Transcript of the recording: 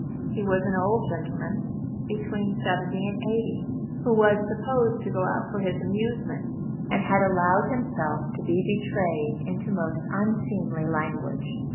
He was an old gentleman, between seventy and eighty, who was supposed to go out for his amusement, and had allowed himself to be betrayed into most unseemly language.